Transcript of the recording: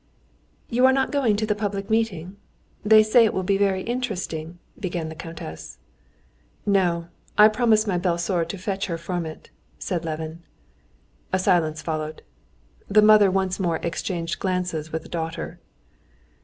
"You are not going to the public meeting? They say it will be very interesting," began the countess. "No, I promised my belle sœur to fetch her from it," said Levin. A silence followed. The mother once more exchanged glances with a daughter.